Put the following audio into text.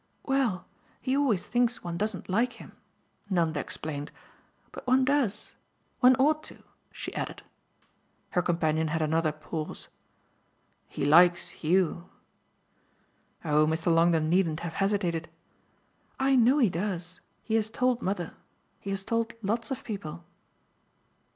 "Well, he always thinks one doesn't like him," Nanda explained. "But one does. One ought to," she added. Her companion had another pause. "He likes YOU." Oh Mr. Longdon needn't have hesitated! "I know he does. He has told mother. He has told lots of people."